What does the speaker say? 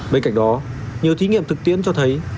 bên cạnh đó nhiều thí nghiệm thực tiễn cho thấy